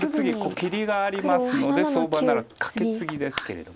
切りがありますので相場ならカケツギですけれども。